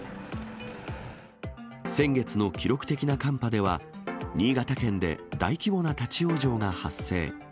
先月の記録的な寒波では、新潟県で大規模な立往生が発生。